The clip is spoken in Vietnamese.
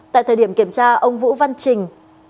tại thời điểm kiểm tra ông vũ văn trình